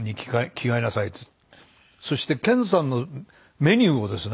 そして健さんのメニューをですね